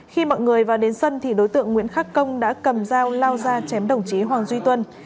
khi mọi người vào đến sân thì đối tượng nguyễn khắc công đã cầm dao lao ra chém đồng chí hoàng duy tuân